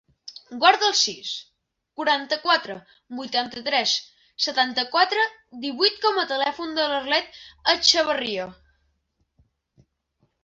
Guarda el sis, quaranta-quatre, vuitanta-tres, setanta-quatre, divuit com a telèfon de l'Arlet Echevarria.